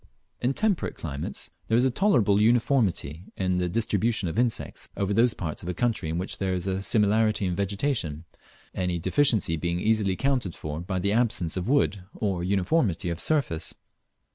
In temperate climates there is a tolerable uniformity in the distribution of insects over those parts of a country in which there is a similarity in the vegetation, any deficiency being easily accounted for by the absence of wood or uniformity of surface.